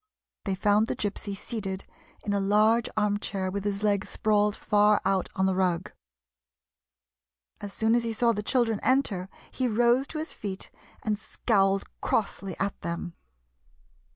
They found the Gypsy seated in a large arm chair with his legs sprawled far out on the rug. As soon as he saw the children enter he rose to his feet, and scowled crossly at them.